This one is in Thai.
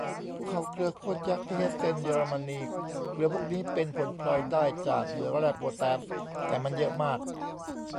ภูเขาเกลือโคตรยักษ์ที่เฮสเซน เยอรมนี เกลือพวกนี้เป็นผลพลอยได้จากเหมืองแร่โปแตส แต่มันเยอะมาก